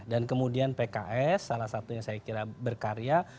kemudian pks salah satunya saya kira berkarya